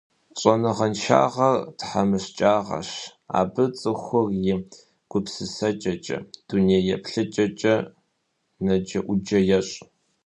Щӏэныгъэншагъэр – тхьэмыщкӀагъэщ, абы цӀыхур и гупсысэкӀэкӀэ, дунейеплъыкӀэкӀэ нэджэӀуджэ ещӀ.